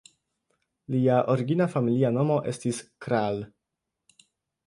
Lia origina familia nomo estis "Krahl".